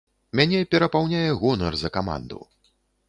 Мяне перапаўняе гонар за каманду.